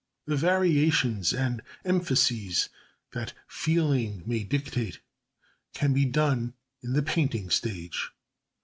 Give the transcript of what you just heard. The variations and emphases that feeling may dictate can be done in the painting stage.